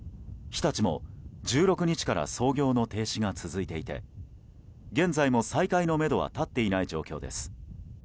日立も１６日から操業の停止が続いていて現在も再開のめどは立っていない状況です。